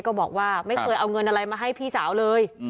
บอกว่าไม่เคยเอาเงินอะไรมาให้พี่สาวเลย